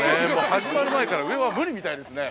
始まる前から上は無理みたいですね。